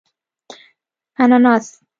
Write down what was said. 🍍 انناس